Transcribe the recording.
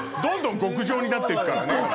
どんどん極上になってくからね。